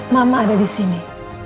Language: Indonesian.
mama ada di sini